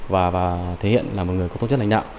và thể hiện là một người có tốt chất lãnh đạo